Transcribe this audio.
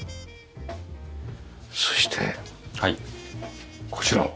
そしてこちらは？